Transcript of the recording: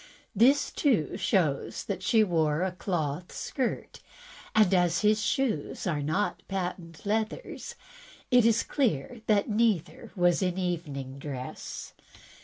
This, too, shows that she wore a cloth skirt, and as his shoes are not patent leathers, it is clear that neither was in evening dress."